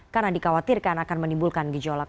karena dikhawatirkan akan menimbulkan gejolak